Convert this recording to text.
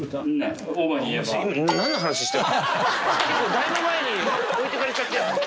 だいぶ前に置いていかれちゃって。